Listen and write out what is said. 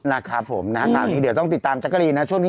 นะครับผมเดี๋ยวต้องติดตามจักรีนนะช่วงนี้